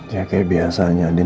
ya kayak biasanya adin pasti sedih